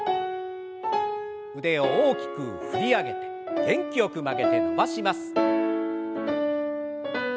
腕を大きく振り上げて元気よく曲げて伸ばします。